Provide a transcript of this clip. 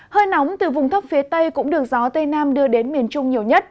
hơi nóng từ vùng thấp phía tây cũng được gió tây nam đưa đến miền trung nhiều nhất